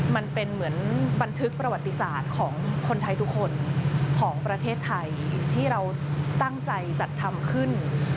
มันเป็นเหมือนบันทึกประวัติศาสตร์ของคนไทยทุกคนของประเทศไทยที่เราตั้งใจจัดทำขึ้น